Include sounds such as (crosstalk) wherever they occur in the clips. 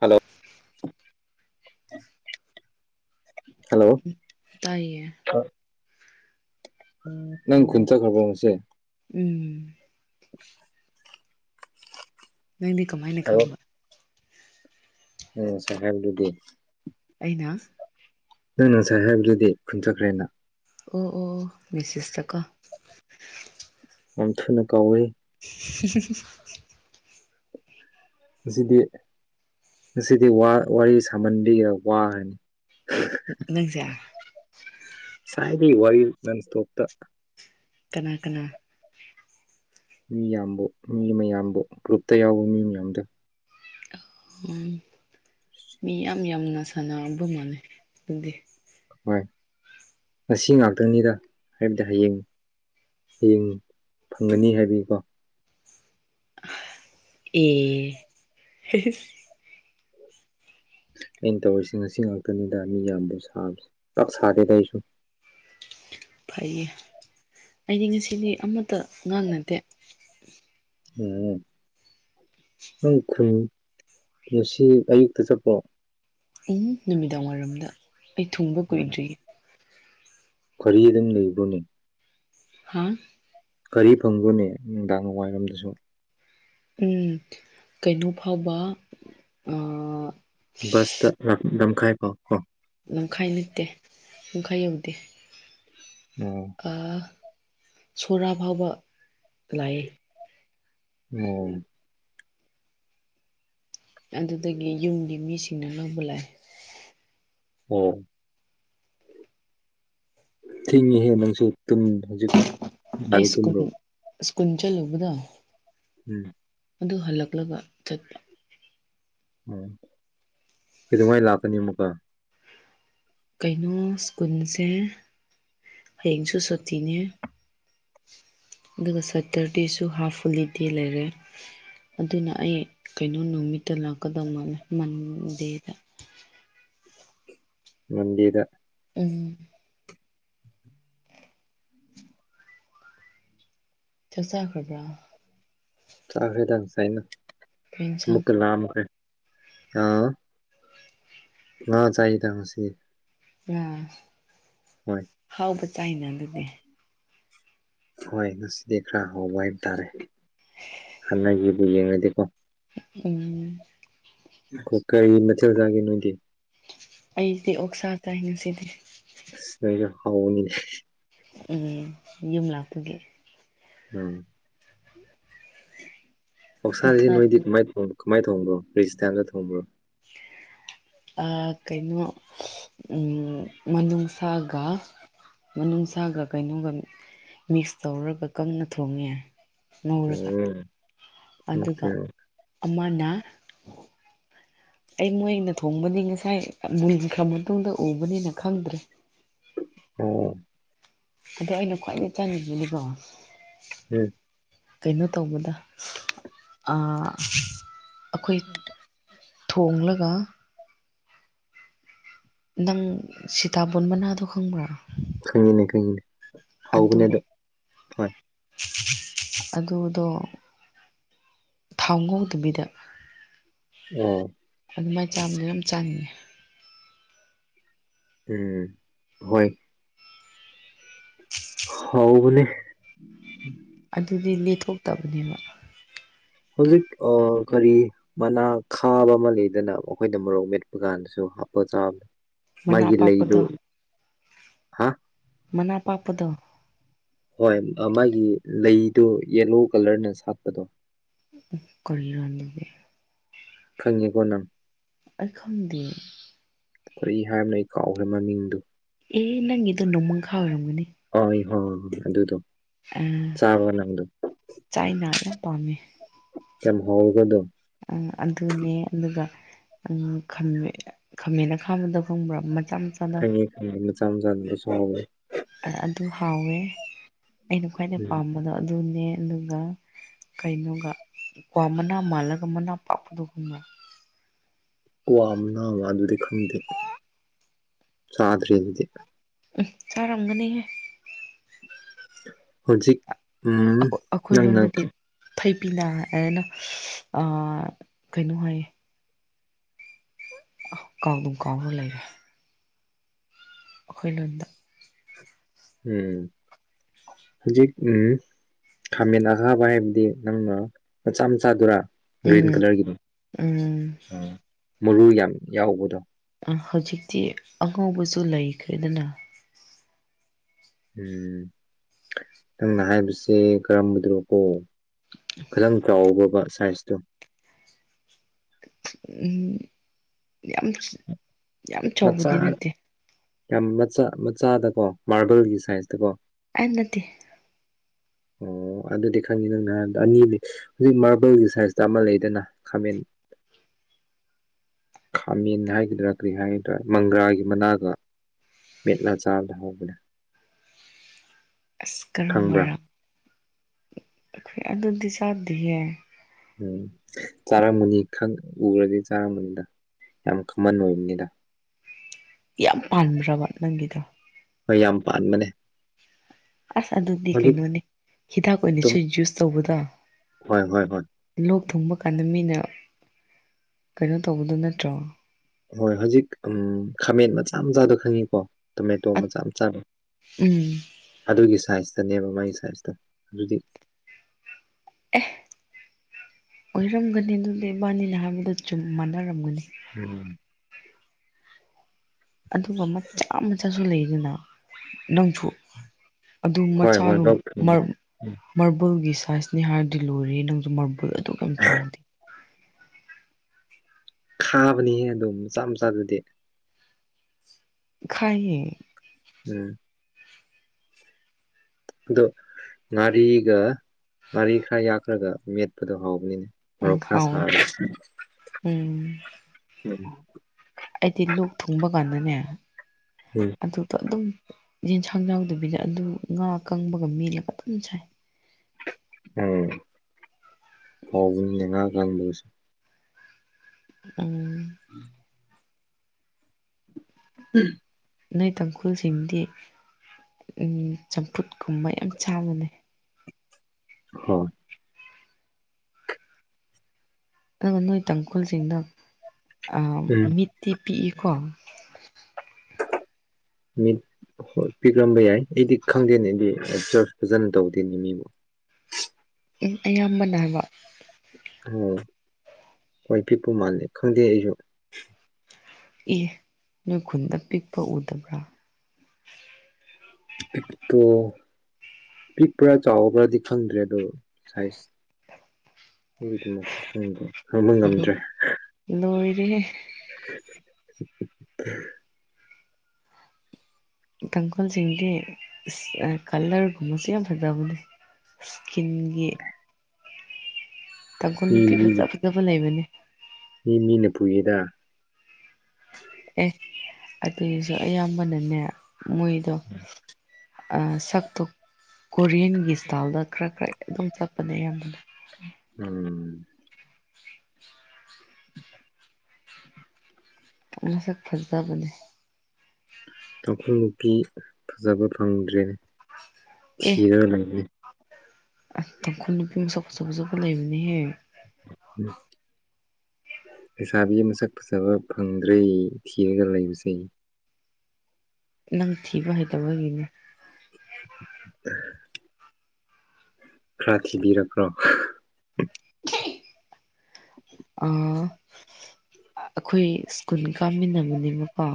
hello hello ꯇꯥꯏꯌꯦ ꯅꯪ ꯈꯨꯟ ꯆꯠꯈ꯭ꯔꯕꯣ ꯉꯁꯤ ꯎꯝ ꯅꯪꯗꯤ ꯀꯃꯥꯏꯅ ꯈꯪꯕ ꯅꯪ ꯉꯁꯥꯏ ꯍꯥꯏꯕꯗꯨꯗꯤ ꯑꯩꯅ ꯅꯪꯅ ꯉꯁꯥꯏ ꯍꯥꯏꯕꯗꯨꯗꯤ ꯈꯨꯟ ꯆꯠꯈ꯭ꯔꯦꯅ ꯑꯣ ꯑꯣ ꯃꯦꯁꯦꯁꯇꯀꯣ ꯌꯥꯝ ꯊꯨꯅ ꯀꯥꯎꯋꯦ (unintelligible) ꯉꯁꯤꯗꯤ ꯉꯁꯤꯗꯤ ꯋꯥꯔꯤ ꯁꯥꯃꯟꯕꯩꯒꯤꯔ ꯋꯥꯔꯅꯤ ꯅꯪꯖꯦ ꯉꯁꯥꯏꯗꯤ ꯋꯥꯔꯤ ꯅꯟ ꯁꯇꯣꯞꯇ ꯀꯅꯥ ꯀꯅꯥ ꯃꯤ ꯌꯥꯝꯕꯨ ꯃꯤ ꯃꯌꯥꯝꯕꯨ ꯒ꯭ꯔꯨꯞꯇ ꯌꯥꯎꯕ ꯃꯤ ꯃꯌꯥꯝꯗ ꯑꯣ ꯃꯤ ꯌꯥꯝ ꯌꯥꯝꯅ ꯁꯥꯟꯅꯔꯕ ꯃꯥꯜꯂꯦ ꯅꯪꯗꯤ ꯍꯣꯏ ꯉꯁꯤ ꯉꯥꯛꯇꯪꯅꯤꯗ ꯍꯥꯏꯕꯗꯤ ꯍꯌꯦꯡ ꯍꯌꯦꯡ ꯐꯪꯒꯅꯤ ꯍꯥꯏꯕꯒꯤꯀꯣ ꯑꯦ ꯑꯩꯅ ꯇꯧꯔꯤꯁꯤ ꯉꯁꯤ ꯉꯥꯛꯇꯅꯤꯗ ꯃꯤ ꯌꯥꯝꯕꯨ ꯁꯥꯕ ꯄꯥꯛ ꯁꯥꯗꯦꯗ ꯑꯩꯁꯨ (inaudible) ꯐꯩꯌꯦ ꯑꯩꯗꯤ ꯉꯁꯤꯗꯤ ꯑꯃꯠꯇ ꯉꯥꯡꯅꯗꯦ ꯎꯝ ꯅꯪ ꯈꯨꯟ ꯉꯁꯤ ꯑꯌꯨꯛꯇ ꯆꯠꯄ꯭ꯔꯣ ꯎꯝ ꯅꯨꯃꯤꯗꯥꯡ ꯋꯥꯏꯔꯝꯗ ꯑꯩ ꯊꯨꯡꯕ ꯀꯨꯏꯗ꯭ꯔꯤꯌꯦ ꯀꯔꯤ ꯑꯗꯨꯝ ꯂꯩꯕ꯭ꯔꯣꯅꯦ ꯍꯥꯥ ꯒꯥꯔꯤ ꯐꯪꯕ꯭ꯔꯣꯅꯦ ꯅꯨꯡꯗꯥꯡ ꯋꯥꯏꯔꯝꯗꯁꯨ ꯎꯝ ꯀꯩꯅꯣ ꯐꯥꯎꯕ ꯚꯁꯇ ꯂꯝꯈꯥꯏ ꯐꯥꯎ ꯂꯝꯈꯥꯏ ꯅꯠꯇꯦ ꯂꯝꯈꯥꯏ ꯌꯧꯗꯦ ꯎꯝ ꯑ ꯁꯣꯔꯥ ꯐꯥꯎꯕ ꯂꯥꯛꯑꯦ ꯑꯣ ꯑꯗꯨꯗꯒꯤ ꯌꯨꯝꯒꯤ ꯃꯤꯁꯤꯡꯅ ꯂꯧꯕ ꯂꯥꯛꯑꯦ ꯑꯣ ꯊꯦꯡꯉꯤꯍꯦ ꯅꯪꯁꯨꯨ ꯇꯨꯝ ꯍꯧꯖꯤꯛ ꯑꯩ ꯕꯥꯔꯣ ꯁ꯭ꯀꯨꯜ ꯇꯨꯝꯕ꯭ꯔꯣ ꯁ꯭ꯀꯨꯜ ꯆꯠꯂꯨꯕꯗꯣ ꯎꯝ ꯑꯗꯨ ꯍꯜꯂꯛꯂꯒ ꯆꯠꯄ ꯑꯥ ꯀꯩꯗꯧꯉꯩ ꯂꯥꯛꯀꯅꯤ ꯑꯃꯨꯛꯀ ꯀꯩꯅꯣ ꯁ꯭ꯀꯨꯜꯁꯦ ꯍꯌꯦꯡꯁꯨ ꯁꯨꯇꯤꯅꯦ ꯑꯗꯨꯒ ꯁꯇꯔꯗꯦꯁꯨ ꯍꯥꯐ ꯍꯣꯂꯤꯗꯦ ꯂꯩꯔꯦ ꯑꯗꯨꯅ ꯑꯩ ꯀꯩꯅꯣ ꯅꯨꯃꯤꯠꯇ ꯂꯥꯛꯀꯗꯧ ꯃꯥꯜꯂꯦ ꯃꯟꯗꯦꯗ ꯃꯟꯗꯦꯗ ꯎꯝ ꯆꯥꯛ ꯆꯥꯈ꯭ꯔꯕ꯭ꯔꯥ ꯆꯥꯈ꯭ꯔꯦꯗ ꯉꯁꯥꯏꯅ ꯀꯩ ꯏꯟꯁꯥꯡ ꯑꯃꯨꯛꯀꯥ ꯂꯥꯝꯈ꯭ꯔꯦ ꯑꯥ ꯉꯥ ꯆꯥꯏꯗ ꯉꯁꯤ ꯉꯥ ꯍꯣꯏ ꯑꯆꯥꯄꯣꯠ ꯆꯥꯏꯅ ꯑꯗꯨꯗꯤ ꯍꯣꯏ ꯉꯁꯤꯗꯤ ꯈꯔ ꯍꯥꯎꯕ ꯍꯥꯏꯕ ꯇꯥꯔꯦ ꯍꯥꯟꯅꯒꯤꯕꯨ ꯌꯦꯡꯉꯗꯤꯀꯣ ꯎꯝ ꯀꯩ ꯃꯊꯦꯜ ꯆꯥꯒꯦ ꯅꯣꯏꯗꯤ ꯑꯩꯗꯤ ꯑꯣꯛ ꯁꯥꯥ ꯆꯥꯏ ꯉꯥꯁꯤꯗꯤ ꯅꯪꯒꯤꯁꯨ ꯍꯥꯎꯕꯅꯤ ꯎꯝ ꯌꯨꯝ ꯂꯥꯛꯄꯒꯤ ꯑꯝ ꯑꯣꯛꯁꯥꯁꯤ ꯑꯣꯛꯁꯥ ꯅꯣꯏꯗꯤ ꯀꯃꯥꯏ ꯊꯣꯡꯕ꯭ꯔꯣ ꯀꯔꯤ ꯏꯁꯇꯥꯏꯜꯗ ꯊꯣꯡꯕ꯭ꯔꯣ ꯑ ꯀꯩꯅꯣ ꯑꯝ ꯃꯅꯨꯡꯅꯨꯡꯁꯥꯒ ꯃꯅꯨꯡꯁꯥꯒ ꯀꯩꯅꯣꯒ ꯃꯤꯛꯁ ꯇꯧꯔꯒ ꯀꯪꯅ ꯊꯣꯡꯉꯦ ꯉꯧꯔꯒ ꯎꯝ ꯑꯗꯨꯒ ꯑꯣꯀꯦ ꯑꯃꯅ (inaudible) ꯑꯩ ꯃꯣꯏꯅ ꯊꯣꯡꯕꯅꯤ ꯉꯁꯥꯏ ꯃꯨꯟꯈ꯭ꯔ ꯃꯇꯨꯡꯗ ꯎꯕꯅꯤꯅ ꯈꯪꯗ꯭ꯔꯦ ꯑꯣ ꯑꯗꯣ ꯑꯩꯅ ꯈ꯭ꯋꯥꯏꯗꯒꯤ ꯆꯥꯅꯤꯡꯈꯤꯕꯅꯤꯀꯣ ꯎꯝ ꯀꯩꯅꯣ ꯇꯧꯕꯗ ꯑ ꯑꯩꯈꯣꯏ ꯊꯣꯡꯂꯒ ꯅꯪ ꯁꯤꯇꯥꯕꯣꯟ ꯃꯅꯥꯗꯣ ꯈꯪꯕ꯭ꯔꯥ ꯈꯪꯉꯤꯅꯦ ꯈꯪꯉꯤꯅꯦ ꯑꯗꯨ ꯍꯥꯎꯕꯅꯦ ꯑꯗꯣ ꯍꯣꯏ ꯑꯗꯨꯗꯣ ꯊꯥꯎ ꯉꯧꯗꯕꯤꯗ ꯑꯣ ꯑꯗꯨꯃꯥꯏꯅ ꯆꯥꯕꯗꯣ ꯌꯥꯝ ꯆꯥꯅꯤꯡꯉꯦ ꯎꯝ ꯍꯣꯏ ꯍꯥꯎꯕꯅꯦ ꯑꯗꯨꯗꯤ ꯂꯦꯊꯣꯛꯇꯕꯅꯦꯕ ꯍꯧꯖꯤꯛ ꯑ ꯀꯔꯤ ꯃꯅꯥ ꯈꯥꯕ ꯑꯃ ꯂꯩꯗꯅ ꯑꯩꯈꯣꯏꯅ ꯃꯣꯔꯣꯛ ꯃꯦꯠꯄ ꯀꯥꯟꯗꯁꯨ ꯍꯥꯄ ꯆꯥꯕ ꯃꯅꯥ ꯃꯥꯒꯤ ꯂꯩꯗꯣ ꯑꯄꯥꯛꯄꯗꯣ ꯍꯥ ꯃꯅꯥ ꯄꯥꯛꯄꯗ ꯍꯣꯏ ꯃꯃꯥꯢꯒꯤ ꯂꯩꯗꯣ ꯌꯦꯂꯣ ꯀꯂ꯭ꯔꯅ ꯁꯥꯠꯄꯗꯣ ꯑꯝ ꯀꯨꯢꯔꯅꯤꯡꯗꯦ ꯈꯪꯉꯤꯕꯣ ꯅꯪ ꯑꯩ ꯈꯪꯗ꯭ꯔꯦ ꯀꯔꯤ ꯍꯥꯏꯕꯅ ꯑꯩ ꯀꯥꯎꯒ꯭ꯔꯦ ꯃꯃꯤꯡꯗꯨ ꯑꯦ ꯅꯪꯒꯤ ꯇ ꯅꯣꯡꯃꯪ ꯈꯥ ꯑꯣꯏꯔꯝꯒꯅꯤ ꯑ ꯑꯗꯨꯗꯣ ꯑ ꯆꯥꯕ ꯅꯪꯗꯣ ꯆꯥꯏꯅ ꯑꯩ ꯌꯥꯝ ꯄꯥꯝꯃꯦ ꯀꯥꯌꯥꯝ ꯍꯥꯎꯔꯕ ꯑꯗꯣ ꯑ ꯑꯗꯨꯅꯦ ꯑꯗꯨꯒ ꯈꯝꯃꯦ ꯈꯥꯃꯦꯟ ꯑꯈꯥꯕꯤꯗꯣ ꯈꯪꯕ꯭ꯔꯣ ꯃꯜ ꯈꯪꯉꯦ ꯈꯉꯦꯟ ꯃꯆꯥ ꯃꯆꯥꯗꯨꯁꯨ ꯍꯥꯎꯕꯅꯤ ꯑ ꯑꯗꯨ ꯍꯥꯎꯋꯦ ꯑꯩꯅ ꯈ꯭ꯋꯥꯏꯗꯩ ꯎꯝ ꯄꯥꯝꯕꯗꯣ ꯑꯗꯨꯅꯦ ꯑꯗꯨꯒ ꯀꯩꯅꯣꯒ ꯀ꯭ꯋꯥ ꯃꯅꯥ ꯃꯥꯜꯂꯒ ꯃꯅꯥ ꯄꯥꯛꯄꯗꯨꯒꯨꯝꯕ ꯀ꯭ꯋꯥ ꯃꯅ ꯃꯥꯟꯕꯗꯤ ꯈꯪꯗꯦ ꯆꯥꯗ꯭ꯔꯔꯤ ꯎꯝ ꯆꯥꯔꯝꯒꯅꯤꯍꯦ ꯍꯧꯖꯤꯛ ꯎꯝ ꯑꯩꯈꯣꯏ ꯅꯪꯅ ꯂꯣꯟꯗꯗꯤ ꯊꯩꯕꯤꯅꯥ ꯍꯥꯏꯅ ꯑꯥ ꯀꯩꯅꯣ ꯍꯥꯏꯌꯦ ꯑ ꯀꯥꯎꯗꯨꯝ ꯀꯥꯎꯋꯦ ꯂꯩꯔ ꯑꯩꯈꯣꯏ ꯂꯣꯟꯗ ꯎꯝ ꯍꯧꯖꯤꯛ ꯎꯝ ꯈꯥꯃꯦꯟ ꯑꯈꯥꯕ ꯍꯥꯏꯕꯗꯤ ꯅꯪꯅ ꯃꯆꯥ ꯃꯆꯥꯗꯨꯔꯥ ꯒ꯭ꯔꯤꯟ ꯎꯝ ꯀꯂꯔꯒꯤꯗꯣ ꯎꯝ ꯎꯝ ꯃꯔꯨ ꯌꯥꯝ ꯌꯥꯎꯕꯗꯣ ꯍꯧꯖꯤꯛꯇꯤ ꯑꯉꯧꯕꯁꯨ ꯂꯩꯈ꯭ꯔꯦꯗꯅ ꯎꯝ ꯅꯪꯅ ꯍꯥꯏꯕꯁꯤ ꯀꯔꯝꯕꯗꯨꯔꯀꯣ ꯈꯤꯇꯪ ꯆꯥꯎꯕꯕ ꯁꯥꯏꯖꯇꯣ ꯎꯝ ꯌꯥꯝ ꯌꯥꯝ ꯃꯆꯥ ꯆꯥꯎꯕꯗꯤ ꯅꯠꯇꯦ ꯌꯥꯝ ꯃꯆꯥ ꯃꯆꯥꯗꯀꯣ ꯃꯥꯔꯕꯜꯒꯤ ꯁꯥꯏꯖꯇ ꯀꯣ ꯑ ꯅꯠꯇꯦ (inaudible) ꯑꯣ ꯑꯗꯨꯗꯤ ꯈꯪꯅꯤꯅꯪ ꯅꯍꯥꯟꯗꯣ ꯑꯅꯤꯗꯤ ꯍꯧꯖꯤꯛ ꯃꯥꯔꯕꯜꯒꯤ ꯁꯥꯏꯖꯇ ꯑꯃ ꯂꯩꯗꯅ ꯈꯥꯃꯦꯟ (inaudible) ꯈꯥꯃꯦꯟ ꯍꯥꯏꯒꯗ꯭ꯔꯥ ꯀꯔꯤ ꯍꯥꯏꯒꯗ꯭ꯔꯥ ꯃꯪꯒ꯭ꯔꯥꯒꯤ ꯃꯅꯥꯒ ꯃꯦꯠꯂꯥ ꯆꯥꯕ ꯍꯥꯎꯕꯅꯦ ꯑꯁ ꯀꯔꯝꯕꯔꯥ ꯑꯩꯈꯣꯏ ꯑꯗꯨꯗꯤ ꯆꯥꯗꯤꯌꯦ ꯎꯝ ꯆꯥꯔꯥꯃꯅꯤ ꯈꯪ ꯎꯔꯗꯤ ꯆꯥꯔꯝꯃꯅꯤꯗ ꯌꯥꯝ ꯊꯨꯃꯟ ꯑꯣꯏꯕꯅꯤꯗ ꯌꯥꯝ ꯄꯥꯟꯕ꯭ꯔꯥꯕ ꯅꯪꯒꯤꯗꯣ ꯍꯣꯏ ꯌꯥꯝ ꯄꯥꯟꯕꯅꯦ ꯑꯁ ꯑꯗꯨꯗꯤ ꯍꯧꯖꯤꯛꯇꯣ ꯀꯩꯅꯣꯅꯦ ꯍꯤꯗꯥꯛ ꯑꯣꯏꯅ ꯁꯨ ꯖꯨꯁ ꯇꯧꯕꯗ ꯍ ꯍꯣꯏ ꯍꯣꯏ ꯊꯨꯡꯕ ꯀꯥꯟꯗ ꯃꯤꯅ ꯀꯩꯅꯣ ꯇꯧꯕꯗꯨ ꯅꯠꯇ꯭ꯔꯣ ꯍꯣꯏ ꯍꯧꯖꯤꯛ ꯑꯝ ꯈꯥꯃꯦꯟ ꯃꯆꯥ ꯃꯆꯥꯗꯣ ꯈꯪꯉꯤꯀꯣ ꯇꯣꯃꯦꯇꯣ ꯃꯆꯥ ꯃꯆꯥꯗꯣ ꯎꯝ ꯑꯗꯨꯒꯤ ꯁꯥꯏꯖ ꯆꯅꯦꯕ ꯃꯥꯒꯤ ꯁꯥꯏꯁꯇꯣ ꯑꯗꯨꯗꯤ ꯑꯣꯏꯔꯝꯒꯅꯤ ꯑꯗꯨꯗꯤ ꯃꯥꯅꯤ ꯍꯥꯏꯕꯗꯨ ꯆꯨꯝ ꯃꯥꯟꯅꯔꯝꯒꯅꯤ ꯎꯝ ꯑꯗꯨꯒ ꯃꯆꯥ ꯃꯆꯥꯁꯨ ꯂꯩꯗꯅ ꯅꯪꯁꯨ ꯑꯗꯨ ꯍꯣꯏ ꯍꯣꯏ ꯃꯆꯥꯗꯨ ꯂꯣꯛ ꯊꯨꯡꯕꯗꯣ ꯎꯝ ꯃꯥꯔꯕꯜꯒꯤ ꯁꯥꯏꯖꯅꯦ ꯍꯥꯏꯔꯗꯤ ꯂꯣꯏꯔꯦ ꯅꯪꯁꯨ ꯃꯥꯕꯨꯜ ꯑꯗꯨ ꯀꯩ ꯆꯥꯎꯗꯦ ꯈꯥꯕꯅꯤꯍꯦ ꯑꯗꯨꯝ ꯃꯆꯥ ꯃꯆꯥꯗꯨꯗꯤ ꯈꯥꯏꯌꯦ ꯎꯝ ꯑꯗꯣ ꯉꯥꯔꯤꯒ ꯉꯥꯔꯤ ꯈꯔ ꯌꯥꯛꯈ꯭ꯔꯒ ꯃꯦꯠꯄꯗꯣ ꯍꯥꯎꯕꯅꯤꯅꯦ ꯃꯣꯔꯣꯛ ꯅꯪ ꯈ꯭ꯔ ꯍꯥꯎꯋꯦ ꯁꯥꯔ ꯎꯝ ꯎꯝ ꯑꯩꯗꯤ ꯂꯣꯛ ꯊꯨꯡꯕ ꯀꯥꯟꯗꯅꯦ ꯎꯝ ꯑꯗꯨꯗꯣ ꯑꯗꯨꯝ ꯌꯦꯟꯁꯥꯡ ꯌꯥꯎꯗꯕꯤꯗ ꯑꯗꯨ ꯉꯥ ꯀꯪꯕꯒ ꯃꯦꯠꯂꯒ ꯑꯗꯨꯝ ꯆꯥꯏ ꯑꯣ ꯍꯥꯎꯕꯅꯤꯅꯦ ꯉꯥ ꯑꯀꯪꯕꯗꯨꯁꯨ ꯎꯝ (inaudible) ꯎꯝ ꯅꯣꯏ ꯇꯥꯡꯈꯨꯜꯁꯤꯡꯗꯤ ꯎꯝ ꯆꯝꯐꯨꯠ ꯀꯨꯝꯕ ꯌꯥꯝ ꯆꯥꯕꯅꯦ ꯍꯣꯏ ꯑ ꯅꯣꯏ ꯇꯥꯡꯈꯨꯜꯁꯤꯡꯗꯣ ꯎꯝ ꯃꯤꯠꯇꯤ ꯄꯤꯛꯏꯀꯣ (inaudible) ꯃꯤꯠ ꯍꯣꯏ ꯄꯤꯛꯑꯝꯕ ꯌꯥꯏ ꯑꯩꯗꯤ ꯈꯪꯗꯦꯅꯦ ꯑꯩꯗꯤ ꯖꯁ ꯐꯖꯅ ꯇꯧꯗꯦꯅꯦ ꯃꯤꯕꯨ (inaudible) ꯎꯝ ꯑꯌꯥꯝꯕꯅ ꯍꯥꯏꯕ ꯑꯣ ꯍꯣꯏ ꯄꯤꯛꯄ ꯃꯥꯜꯂꯦ ꯈꯪꯗꯦ ꯑꯩꯁꯨ ꯑꯦ ꯅꯣꯏ ꯈꯨꯟꯗ ꯄꯤꯛꯄ ꯎꯗꯕ꯭ꯔꯥ ꯄꯤꯛꯇꯣ ꯄꯤꯛꯄ꯭ꯔꯥ ꯆꯥꯎꯕ꯭ꯔꯥꯗꯤ ꯈꯪꯗ꯭ꯔꯦꯗꯣ ꯁꯥꯏꯖ (unintelligible) ꯉꯝꯗ꯭ꯔꯦ ꯂꯣꯏꯔꯦꯍꯦ (inaudible) ꯇꯥꯡꯈꯨꯜꯁꯤꯡꯗꯤ ꯑꯁ ꯀꯜꯂ꯭ꯔꯒꯨꯝꯕꯁꯤ ꯌꯥꯝ ꯍꯥꯔꯥꯎꯅꯤ ꯏꯁꯀꯤꯟꯒꯤ ꯇꯥꯡꯈꯨꯜ ꯃꯤ ꯅꯨꯄꯤ ꯃꯤꯅ ꯐꯖ ꯐꯖꯕ ꯂꯩꯕꯅꯦ ꯃꯤ ꯃꯤꯅ ꯄꯨꯌꯦꯗ ꯑꯦ ꯑꯗꯨꯑꯣꯏꯖꯨ ꯑꯌꯥꯝꯕꯅꯅꯦ ꯃꯣꯏꯗꯣ ꯑ ꯁꯛꯇꯣ ꯀꯣꯔꯤꯌꯟꯒꯤ ꯏꯁꯇꯥꯏꯜꯗ ꯈꯔ ꯈꯔ ꯑꯗꯨꯝ ꯆꯠꯄꯅꯦ ꯑꯌꯥꯝꯕꯅ ꯎꯝ ꯃꯁꯛ ꯐꯖꯕꯅꯦ ꯇꯥꯡꯈꯨꯜꯅꯨꯄꯤ ꯐꯖꯕ ꯐꯪꯗ꯭ꯔꯦꯅꯦ ꯑꯦ ꯊꯤꯔꯒ ꯂꯩꯔꯦ ꯑꯁ ꯇꯥꯡꯈꯨꯜ ꯅꯨꯄꯤ ꯃꯁꯛ ꯐꯖꯐꯖꯕ ꯂꯩꯕꯅꯦꯍꯦ ꯎꯝ ꯂꯩꯩꯁꯥꯕꯤ ꯃꯁꯛ ꯐꯖꯕ ꯐꯪꯗ꯭ꯔꯦ ꯊꯤꯔꯒ ꯂꯩꯕꯁꯦ ꯅꯪ ꯊꯤꯕ ꯍꯩꯇꯕꯒꯤꯅꯦ (unintelligible) ꯈꯔ ꯊꯤꯕꯤꯔꯛꯈ꯭ꯔꯣ (inaudible) ꯑ ꯑꯩꯈꯣꯏ ꯁ꯭ꯀꯨꯜ ꯀꯥꯃꯤꯟꯅꯕꯅꯦꯕꯀꯣ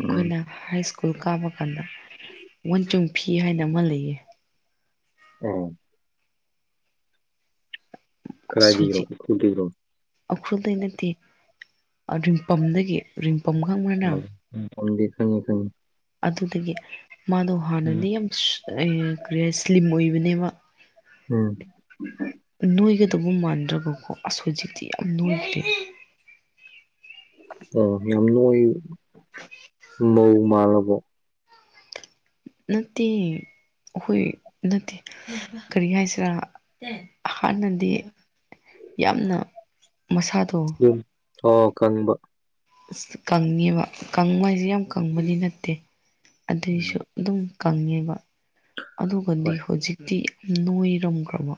ꯎꯝ ꯍꯥꯏꯁ꯭ꯀꯨꯜ ꯁ꯭ꯀꯨꯜ ꯀꯥꯕ ꯀꯥꯟꯗ ꯋꯥꯟꯆꯨꯡ ꯐꯤ ꯍꯥꯏꯅ ꯑꯃ ꯂꯩꯌꯦ ꯑꯣ ꯑꯁ ꯀꯥꯏꯗꯩꯔꯣ ꯍꯧꯖꯤꯛ ꯎ꯭ꯔꯈꯨꯜꯗꯩꯔꯣ ꯎꯈ꯭ꯔꯨꯜꯗꯩ ꯅꯠꯇꯦ ꯔꯤꯡꯄꯝꯗꯒꯤ ꯔꯤꯡ ꯗꯤ ꯈꯪꯉꯦ ꯈꯪꯉꯦ ꯑꯗꯨꯗꯒꯤ ꯃꯥꯗꯣ ꯎꯝ ꯍꯥꯟꯅꯗꯤ ꯌꯥꯝ ꯀꯔꯤ ꯍꯥꯏ ꯁ꯭ꯂꯤꯝ ꯑꯣꯏꯕꯅꯦꯕ ꯎꯝ ꯑꯗꯨꯕꯨ ꯃꯥꯟꯗ꯭ꯔꯕꯀꯣ ꯑꯁ ꯍꯧꯖꯤꯛꯇꯤ ꯌꯥꯝ ꯅꯣꯏꯈ꯭ꯔꯦ ꯌꯥꯝꯅꯣꯏ (unintelligible) ꯃꯧ ꯃꯥꯂꯕꯣ ꯅꯠꯇꯦ ꯑꯩꯈꯣꯏ ꯅꯠꯇꯦ ꯀꯔꯤ ꯍꯥꯏꯁꯤꯔꯥ ꯍꯥꯟꯅꯗꯤ ꯌꯥꯝꯅ ꯃꯁꯥꯗꯣ ꯌꯨꯝ ꯑꯣ ꯀꯪꯕ ꯀꯪꯉꯦꯕ ꯀꯪꯕ ꯍꯥꯏꯁꯦ ꯌꯥꯝ ꯀꯪꯕꯗꯤ ꯅꯠꯇꯦ ꯑꯗꯨꯏꯁꯨ ꯎꯝ ꯑꯗꯨꯝ ꯀꯪꯉꯦꯕ ꯑꯗꯨꯒꯗꯤ ꯍꯣꯏ ꯍꯧꯖꯤꯛꯇꯤ ꯌꯥꯝ ꯅꯣꯏꯔꯝꯈ꯭ꯔꯕ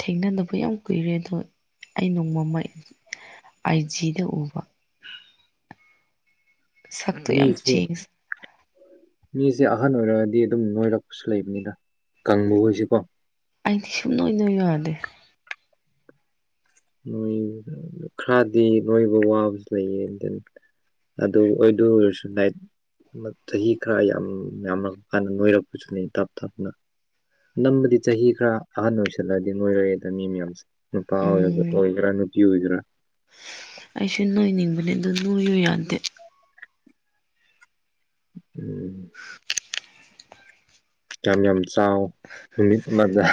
ꯊꯦꯡꯅꯗꯕ ꯌꯥꯝ ꯀꯨꯏꯔꯦ ꯑꯗꯣ ꯑꯩ ꯅꯣꯡꯃ ꯑꯏꯖꯤꯗ ꯎꯕ ꯁꯛꯇꯣ ꯌꯥꯝ ꯃꯤꯁꯦ ꯆꯦꯟꯖ ꯃꯤꯁꯦ ꯑꯍꯟ ꯑꯣꯏꯔꯒꯗꯤ ꯑꯗꯨꯝ ꯅꯣꯏꯔꯛꯄꯁꯨ ꯂꯩꯕꯅꯤꯗ ꯀꯪꯕ ꯑꯣꯏꯁꯤꯀꯣ ꯑꯩꯗꯤ ꯁꯛꯅꯣꯏ ꯅꯣꯏꯌꯨ ꯌꯥꯗꯦ ꯎꯝ ꯈꯔꯗꯤ ꯅꯣꯏꯕ ꯋꯥꯕꯁꯨ ꯂꯩꯌꯦ ꯗꯦꯟ ꯑꯗꯨ ꯑꯣꯏꯔꯁꯨ ꯂꯥꯠꯏ ꯆꯍꯤ ꯈꯔ ꯌꯥꯝ ꯌꯥꯝꯃꯛ ꯑꯀꯥꯟꯗ ꯅꯣꯏꯔꯛꯄꯁꯨꯂꯩ ꯇꯞ ꯇꯞꯅ ꯅꯝꯕꯗꯤ ꯆꯍꯤ ꯈꯔ ꯑꯍꯟ ꯑꯣꯏꯁꯜꯂ ꯑꯗꯤ ꯅꯣꯏꯔꯛ ꯑꯦꯗ ꯃꯤ ꯑꯌꯥꯝꯕꯁꯦ ꯅꯨꯄꯥ ꯑꯣꯏꯔ ꯎꯝ ꯑꯣꯏꯒꯦꯔꯥ ꯅꯨꯄꯤ ꯑꯣꯏꯒꯦꯔꯥ ꯑꯩꯁꯨ ꯅꯣꯏꯅꯤꯡꯕꯅꯦ ꯑꯗꯨ ꯅꯣꯏꯌꯨ ꯌꯥꯗꯦ ꯎꯝ ꯌꯥꯝ ꯌꯥꯝ ꯆꯥꯎ ꯅꯨꯃꯤꯠ ꯑꯃꯗ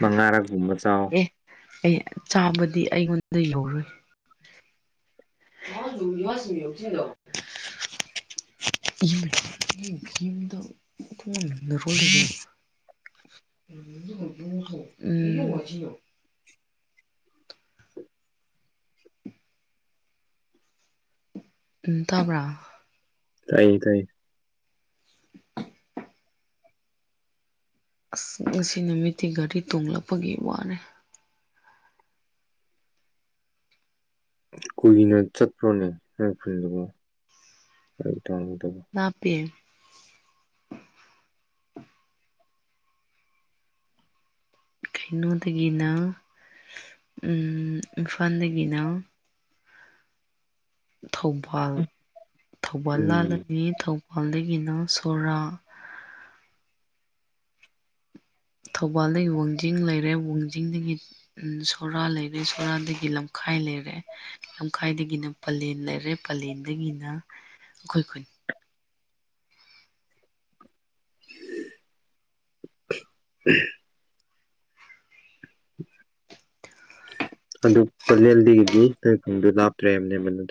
ꯃꯉꯥꯔꯛꯒꯨꯝꯕ ꯆꯥꯎ ꯑꯦ ꯑꯩ ꯆꯥꯕꯗꯤ ꯑꯩꯉꯣꯟꯗ ꯌꯧꯔꯣꯏ (unintelligible) (inaudible) (unintelligible) ꯎꯝ ꯎꯝ ꯇꯥꯕ꯭ꯔꯥ ꯇꯥꯏꯌꯦ ꯇꯥꯏꯌꯦ ꯑꯁ ꯉꯁꯤ ꯅꯨꯃꯤꯠꯇꯤ ꯒꯥꯔꯤ ꯇꯣꯡꯂꯛꯄꯒꯤ ꯋꯥꯔꯦ ꯀꯨꯏꯅ ꯆꯠꯄ꯭ꯔꯣꯅꯦ ꯅꯣꯏ ꯈꯨꯜꯗꯨꯕꯨ ꯂꯥꯞꯄꯦ ꯀꯩꯅꯣꯗꯒꯤꯅ ꯏꯝꯐꯥꯜꯗꯒꯤꯅ ꯊꯧꯕꯥꯜ ꯊꯧꯕꯥꯜ ꯎꯝ ꯂꯥꯜꯂꯅꯤ ꯑꯗꯨꯗꯒꯤꯅ ꯁꯣꯔꯥ ꯊꯧꯕꯥꯜꯗꯒꯤ ꯋꯥꯡꯖꯤꯡ ꯂꯩꯔꯦ ꯋꯥꯡꯖꯤꯡꯗꯒꯤ ꯁꯣꯔꯥ ꯂꯩꯔꯦ ꯁꯣꯔꯥꯗꯒꯤ ꯂꯝꯈꯥꯏ ꯂꯝꯈꯥꯏ ꯂꯩꯔꯦ ꯂꯝꯈꯥꯏꯗꯒꯤꯅ ꯄꯂꯦꯟ ꯂꯩꯔꯦ ꯄꯂꯦꯟꯗꯒꯤꯅ ꯑꯩꯈꯣꯏ ꯈꯨꯟ (unintelligible) (inaudible) ꯑꯗꯨ ꯄꯂꯦꯜꯗꯒꯤꯗꯤ ꯇꯔꯦꯠ ꯈꯨꯟꯗꯣ ꯂꯥꯞꯇ꯭ꯔꯦ ꯍꯥꯏꯕꯅꯦ ꯅꯣꯏꯗ